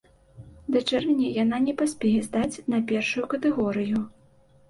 Да чэрвеня яна не паспее здаць на першую катэгорыю.